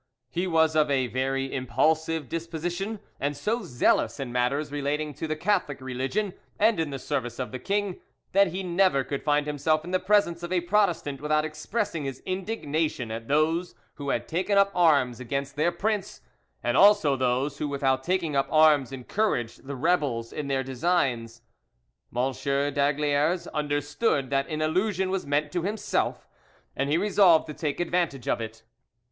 He was of a very impulsive disposition, and so zealous in matters relating to the Catholic religion and in the service of the king, that he never could find himself in the presence of a Protestant without expressing his indignation at those who had taken up arms against their prince, and also those who without taking up arms encouraged the rebels in their designs. M. d'Aygaliers understood that an allusion was meant to himself, and he resolved to take advantage of it.